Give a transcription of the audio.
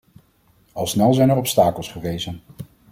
Al snel zijn er obstakels gerezen.